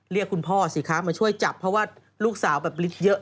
เรียกคุณพ่อสิคะมาช่วยจับเพราะว่าลูกสาวแบบฤทธิ์เยอะ